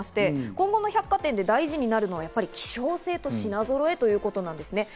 今後の百貨店にとって大事になるのは希少性と品揃えということですね。